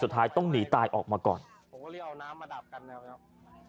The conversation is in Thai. สุดท้ายต้องหนีตายออกมาก่อนผมก็เลยเอาน้ำมาดับกันนะครับ